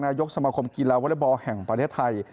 นายกสมาคมกีฬาวอเล็กบอลแห่งประเทศไทย